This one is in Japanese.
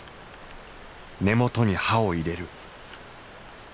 根元に刃を入れる。